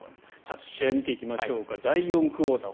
試合を見ていきましょうか第４クオーター。